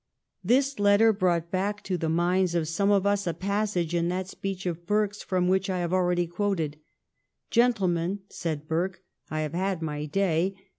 This letter brought back to the minds of some of us a passage in that speech of Burke s from which I have already quoted. " Gentlemen," said Burke, " I have had my day.